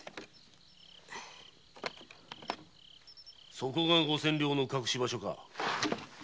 ・そこが五千両の隠し場所か？